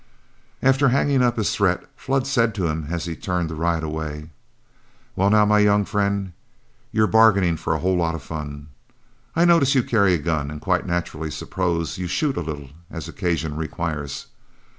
After hanging up this threat, Flood said to him as he turned to ride away, "Well, now, my young friend, you're bargaining for a whole lot of fun. I notice you carry a gun and quite naturally suppose you shoot a little as occasion requires.